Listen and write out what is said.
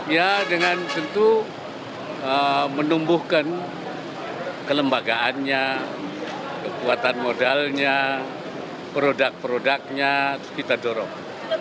ya dengan tentu menumbuhkan kelembagaannya kekuatan modalnya produk produknya kita dorong